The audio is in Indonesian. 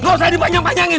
gak usah dipanyang panyangin